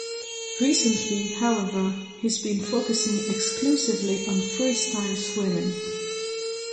Recently, however, he's been focusing exclusively on freestyle swimming.